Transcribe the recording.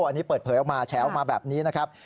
อันนี้เปิดเผยออกมาแฉออกมาแบบนี้นะครับ